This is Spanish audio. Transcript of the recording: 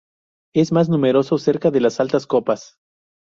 Es más numeroso cerca de las altas copas.